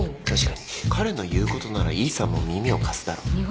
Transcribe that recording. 確かに彼の言うことならイーサンも耳を貸すだろう。